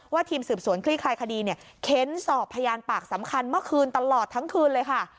ทีมสืบสวนคลี่คลายคดีเนี่ยเค้นสอบพยานปากสำคัญเมื่อคืนตลอดทั้งคืนเลยค่ะ